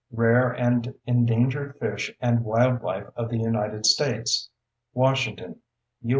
Rare and Endangered Fish and Wildlife of the United States. Washington: U.